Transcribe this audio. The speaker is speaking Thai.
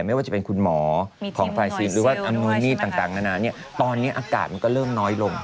ไม่ว่าจะเป็นคุณหมอของฝ่ายซีนหรือว่าอำนวยมีดต่างนานาเนี่ยตอนนี้อากาศมันก็เริ่มน้อยลง